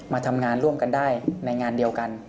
มาทำงานร่วมกันได้ในงานเดียวกัน